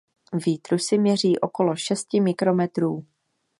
Výtrusy měří okolo šesti mikrometrů.